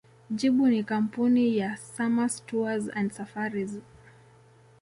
Jibu ni Kampuni ya Samâs Tours and Safaris